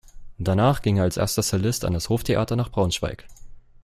Danach ging er als erster Cellist an das Hoftheater nach Braunschweig.